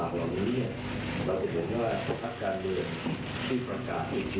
ตอนนี้เนี่ยเราจะเห็นว่าภาพการเรือนที่ประกาศอีกที